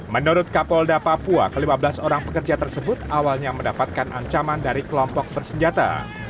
menurut kapolda papua ke lima belas orang pekerja tersebut awalnya mendapatkan ancaman dari kelompok bersenjata